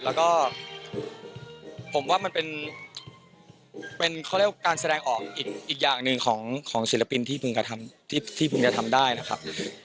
แล้วก็ผมว่ามันเป็นการแสดงออกอีกอย่างหนึ่งของศิลปินที่พุ่งจะทำได้นะครับ